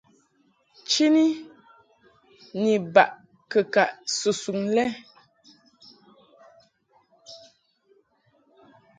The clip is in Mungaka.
Chini ni baʼ kɨkaʼ susuŋ lɛ.